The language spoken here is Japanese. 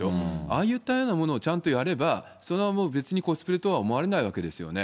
ああいったようなものをちゃんとやれば、それはもう、別にコスプレとは思われないわけですよね。